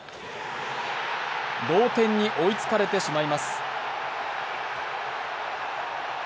同点に追いつかれてしまいます。